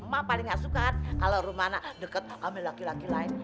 mak paling nggak suka kan kalau romane deket sama laki laki lain